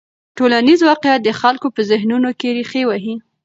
ټولنیز واقیعت د خلکو په ذهنونو کې رېښې وهي.